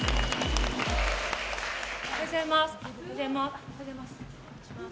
おはようございます。